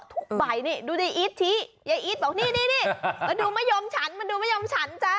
ทุกใบนี่ดูดิอีดทิยายอีดบอกนี่ดูมะยมฉันดูมะยมฉันจ้า